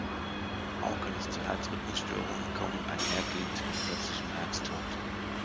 Auch kann es zu Herzrhythmusstörungen kommen einhergehend mit plötzlichem Herztod.